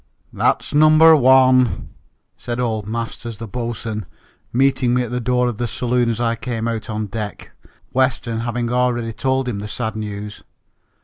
"That's number one!" said old Masters, the boatswain, meeting me at the door of the saloon as I came out on deck, Weston having already told him the sad news.